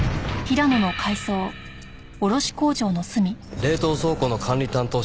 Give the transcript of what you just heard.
冷凍倉庫の管理担当者